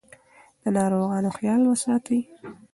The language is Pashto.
د ناروغانو خیال ساتئ.